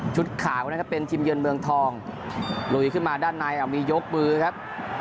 ขาวนะครับเป็นทีมเยือนเมืองทองลุยขึ้นมาด้านในเอามียกมือครับ